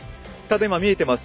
今見えています